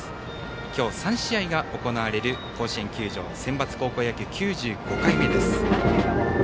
今日３試合が行われる甲子園球場センバツ高校野球９５回目です。